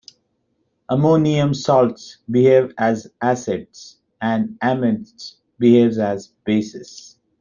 Ammonium salts behave as acids, and amides behave as bases.